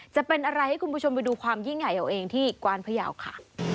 จะเป็นอะไรให้คุณผู้ชมไปดูความยิ่งใหญ่เอาเองที่กวานพยาวค่ะ